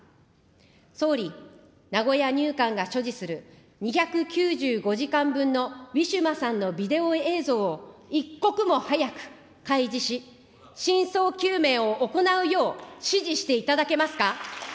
総理、名古屋入管が所持する２９５時間分のウィシュマさんのビデオ映像を、一刻も早く開示し、真相究明を行うよう指示していただけますか。